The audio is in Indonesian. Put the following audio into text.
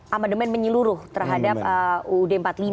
amandemen menyeluruh terhadap uud empat puluh lima